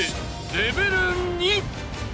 レベル２。